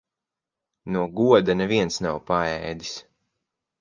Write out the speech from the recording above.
No goda neviens nav paēdis.